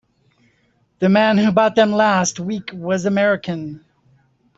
The man who bought them last week was American.